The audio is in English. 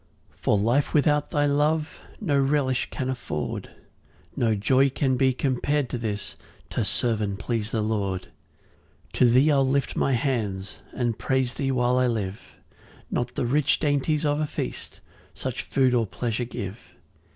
4 For life without thy love No relish can afford; No joy can be compar'd to this, To serve and please the Lord. 5 To thee I'll lift my hands, And praise thee while I live; Not the rich dainties of a feast Such food or pleasure give.